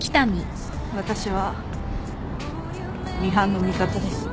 私はミハンの味方です。